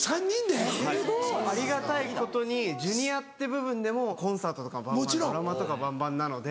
・すごい・ありがたいことにＪｒ．って部分でもコンサートとかバンバンドラマとかバンバンなので。